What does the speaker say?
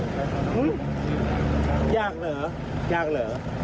ยากเหรอยากเหรอ